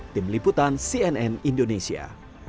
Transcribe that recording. tim liputan cnn indonesia